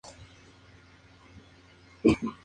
Un segundo vuelo tuvo lugar en octubre.